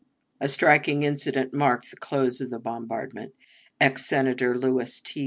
A striking incident marked the close of the bombardment. Ex Senator Louis T.